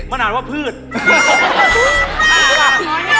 มันอ่านว่าพืช